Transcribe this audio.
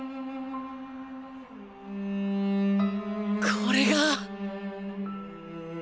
これが。